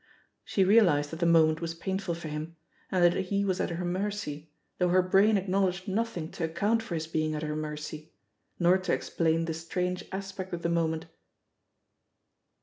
She realised that the moment was painful for him, and that he was at her mercy, though her brain acknowledged nothing to account for his being at her mercy, nor to ex plain the strange aspect of the moment.